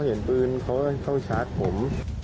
ไม่ได้เห็นปืนเค้าชาร์จผม